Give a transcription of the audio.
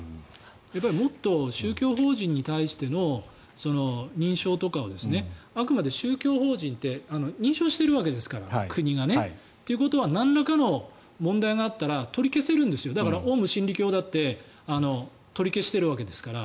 もっと宗教法人に対しての認証とかをあくまで宗教法人って国が認証してるわけですから。ということはなんらかの問題があったら取り消せるんですよだからオウム真理教だって取り消してるわけですから。